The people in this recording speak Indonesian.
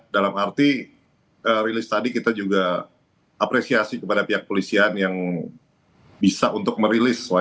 dalam arti rilis tadi kita juga apresiasi kepada pihak polisian yang bisa untuk merilis